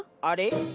あれ？